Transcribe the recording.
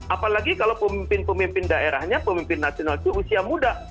apalagi kalau pemimpin pemimpin daerahnya pemimpin nasional itu usia muda